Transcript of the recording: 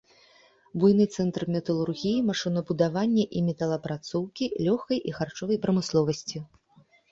Буйны цэнтр металургіі, машынабудавання і металаапрацоўкі, лёгкай і харчовай прамысловасці.